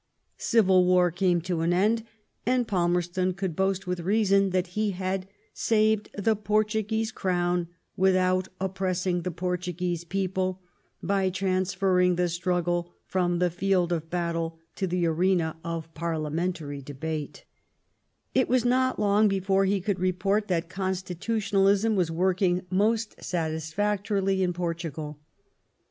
Civil war came to an end, and Palmerston could boast with reason that he had ^' saved the Portuguese Crown without oppressing the Portu guese people, by transferring the struggle from the field of battle to the arena of Parliamentary debate/' It was not long before he could report that Constitutionalism YEARS OF REVOLUTION. 118 was working most satisfactorily in Portugal.